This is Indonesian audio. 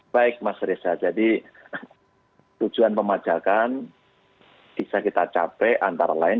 baik mas reza jadi tujuan pemajakan bisa kita capai antara lain